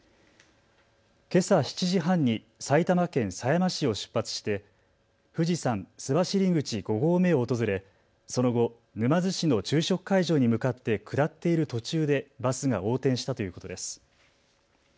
けさ７時半に埼玉県狭山市を出発して富士山須走口５合目を訪れその後、沼津市の昼食会場に向かって下っている途中でバスが横転したということです。